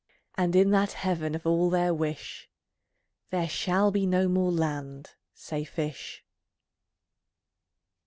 And in that Heaven of all their wish, There shall be no more land, say fish.